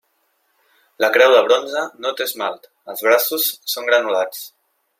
La creu de bronze no té esmalt, els braços són granulats.